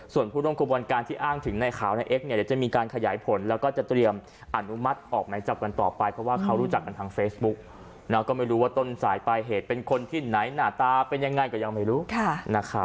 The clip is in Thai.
ส่วนผู้ร่วมกระบวนการที่อ้างถึงในข่าวในเอ็กเนี่ยเดี๋ยวจะมีการขยายผลแล้วก็จะเตรียมอนุมัติออกไหมจับกันต่อไปเพราะว่าเขารู้จักกันทางเฟซบุ๊กก็ไม่รู้ว่าต้นสายปลายเหตุเป็นคนที่ไหนหน้าตาเป็นยังไงก็ยังไม่รู้นะครับ